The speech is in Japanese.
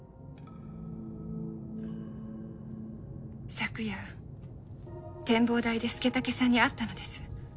昨夜展望台で佐武さんに会ったのです。